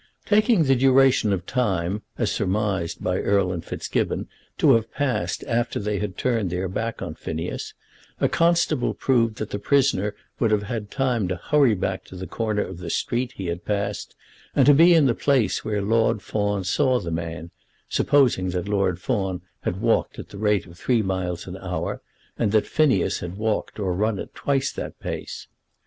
Taking the duration of time as surmised by Erle and Fitzgibbon to have passed after they had turned their back upon Phineas, a constable proved that the prisoner would have had time to hurry back to the corner of the street he had passed, and to be in the place where Lord Fawn saw the man, supposing that Lord Fawn had walked at the rate of three miles an hour, and that Phineas had walked or run at twice that pace.